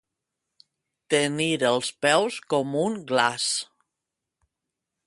Tenir els peus com un glaç.